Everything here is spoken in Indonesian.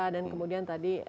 dan kemudian tadi